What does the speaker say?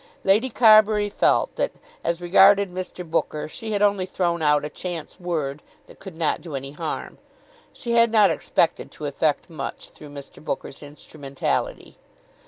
Lady Carbury felt that, as regarded Mr. Booker, she had only thrown out a chance word that could not do any harm. She had not expected to effect much through Mr. Booker's instrumentality.